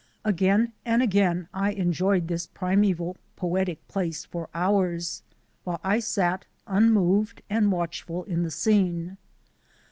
Again and again I enjoyed this primeval, poetic place for hours, while I sat unmoved and watchful in the scene.